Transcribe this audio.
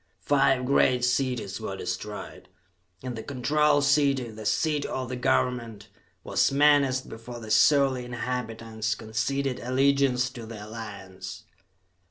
Five great cities were destroyed, and the Control City, the seat of the government, was menaced before the surly inhabitants conceded allegiance to the Alliance.